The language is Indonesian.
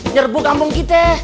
nyerbu kampung kita